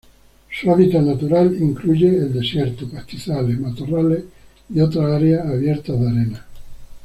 Su hábitat natural incluye el desierto, pastizales, matorrales, y otras áreas abiertas de arena.